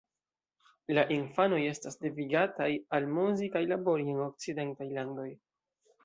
La infanoj estas devigataj almozi kaj labori en okcidentaj landoj.